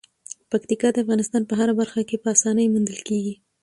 پکتیکا د افغانستان په هره برخه کې په اسانۍ موندل کېږي.